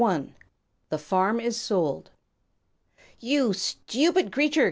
_ THE FARM IS SOLD "You stupid creature!"